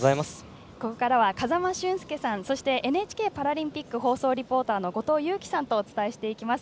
ここからは風間俊介さんそしてＮＨＫパラリンピック放送リポーターの後藤佑季さんとお伝えしていきます。